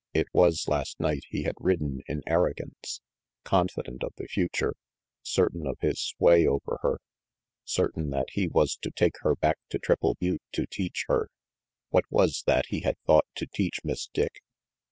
It was last night he had ridden in arrogance, confident of the future, certain of his sway over her, certain that he was to take her back to Triple Butte to teach her what was that he had thought to teach Miss Dick?